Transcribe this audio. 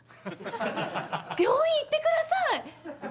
病院行ってください！